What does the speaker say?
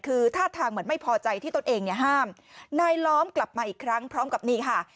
คือท่าทางเหมือนไม่พอใจที่ตนเองเนี่ยห้ามนายล้อมกลับมาอีกครั้งพร้อมกับนี่ค่ะ